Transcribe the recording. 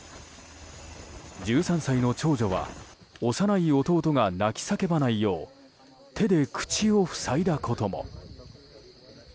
１３歳の長女は幼い弟が泣き叫ばないよう手で口を塞いだことも。